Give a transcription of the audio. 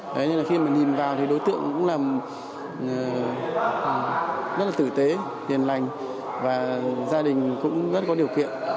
đấy nên là khi mà nhìn vào thì đối tượng cũng là rất là tử tế hiền lành và gia đình cũng rất có điều kiện